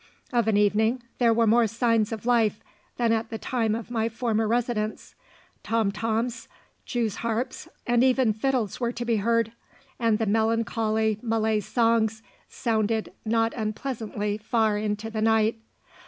Of an evening there were more signs of life than at the time of my former residence. Tom toms, jews' harps, and even fiddles were to be heard, and the melancholy Malay songs sounded not unpleasantly far into the night.